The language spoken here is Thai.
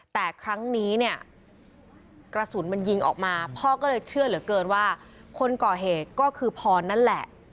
แต่ครั้งนี้เนี่ยกระสุนมันยิงออกมาพ่อก็เลยเชื่อเหลือเกินว่าคนก่อเหตุก็คือพรนั่นแหละ